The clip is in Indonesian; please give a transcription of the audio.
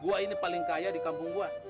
gue ini paling kaya di kampung gua